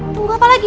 tunggu apa lagi